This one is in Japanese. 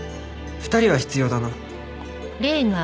「２人は必要だな」